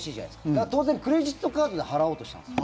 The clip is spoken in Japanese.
だから当然クレジットカードで払おうとしたんです。